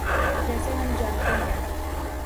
جیسے ہم جانتے ہیں۔